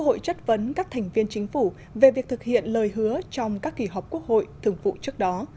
cơ hội chất vấn các thành viên chính phủ về việc thực hiện lời hứa trong các kỳ họp quốc hội thường vụ trước đó